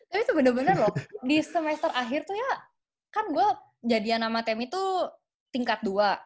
tapi tuh bener bener loh di semester akhir tuh ya kan gue jadian nama temy tuh tingkat dua